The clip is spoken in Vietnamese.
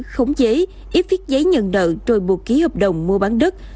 khống chế ít viết giấy nhận nợ rồi buộc ký hợp đồng mua bán đất